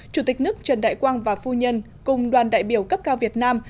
chủ tịch nước trần đại quang và phu nhân cùng đoàn đại biểu cấp cao việt nam